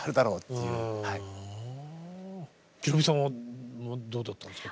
宏美さんはどうだったんですか？